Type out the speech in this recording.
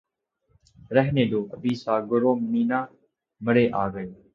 رہنے دو ابھی ساغر و مینا مرے آگے